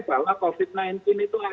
bahwa covid sembilan belas itu